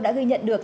đã ghi nhận được